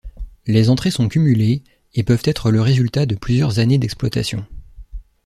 Les entrées sont cumulées et peuvent être le résultat de plusieurs années d'exploitations.